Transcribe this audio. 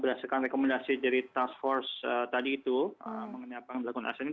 berdasarkan rekomendasi dari task force tadi itu mengenai apa yang dilakukan asn ini